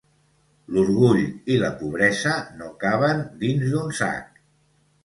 L'orgull i la pobresa no caben dins d'un sac.